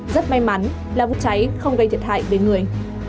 rất may mắn là vụ cháy không gây thiệt hại về người